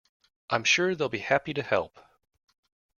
I'm sure they'll be happy to help.